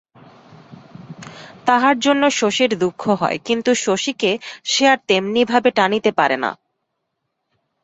তাহার জন্য শশীর দুঃখ হয় কিন্তু শশীকে সে আর তেমনিভাবে টানিতে পারে না।